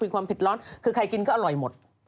ความเผ็ดร้อนคือใครกินก็อร่อยหมด